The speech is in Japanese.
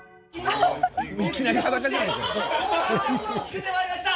いきなり裸じゃないかよ。